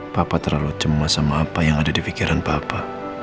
bapak terlalu cemas sama apa yang ada di pikiran bapak